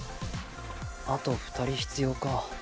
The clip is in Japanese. あと２人必要か。